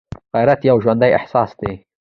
غیرت یو ژوندی احساس دی